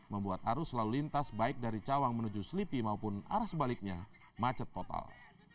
membuat arus lalu lintas baik dari cawang menuju selipi maupun arah sebaliknya macet total